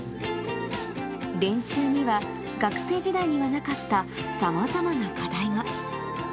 練習には、学生時代にはなかったさまざまな課題が。